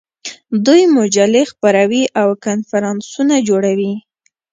دوی مجلې خپروي او کنفرانسونه جوړوي.